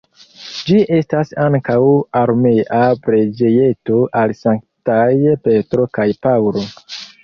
Ĝi estas ankaŭ armea preĝejeto al sanktaj Petro kaj Paŭlo.